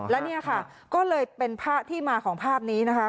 และเนี่ยค่ะก็เลยเป็นภาพที่มาของภาพนี้นะคะ